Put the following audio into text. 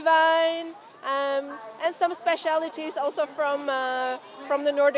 và có một số đặc biệt